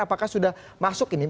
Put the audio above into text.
apakah sudah masuk ini